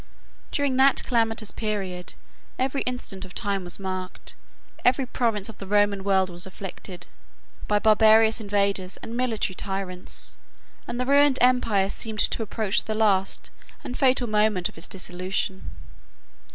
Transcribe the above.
During that calamitous period, every instant of time was marked, every province of the Roman world was afflicted, by barbarous invaders, and military tyrants, and the ruined empire seemed to approach the last and fatal moment of its dissolution.